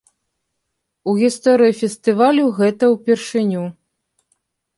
У гісторыі фестывалю гэта ўпершыню.